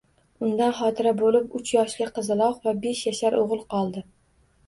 Undan xotira bo'lib uch yoshli qizaloq va besh yashar o'g'il qoldi.